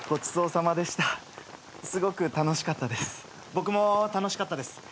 僕も楽しかったです。